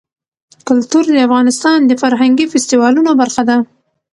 کلتور د افغانستان د فرهنګي فستیوالونو برخه ده.